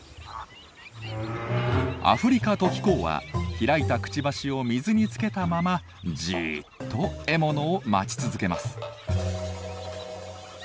アフリカトキコウは開いたくちばしを水につけたままじっと獲物を待ち続けます。